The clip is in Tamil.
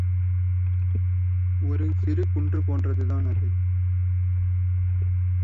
ஒரு சிறுகுன்று போன்றதுதான் அது.